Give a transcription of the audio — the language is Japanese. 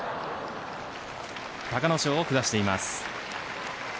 隆の勝を下しています。